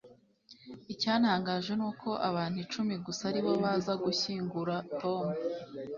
icyantangaje nuko abantu icumi gusa aribo baza gushyingura tom